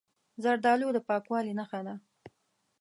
زردالو د پاکوالي نښه ده.